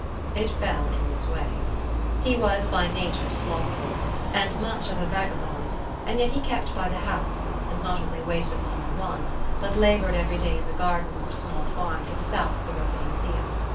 It fell in this way. He was by nature slothful, and much of a vagabond, and yet he kept by the house, and not only waited upon my wants, but laboured every day in the garden or small farm to the south of the residencia.